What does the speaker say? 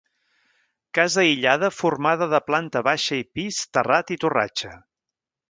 Casa aïllada formada de planta baixa i pis, terrat i torratxa.